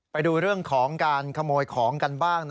ไปดูเรื่องของการขโมยของกันบ้าง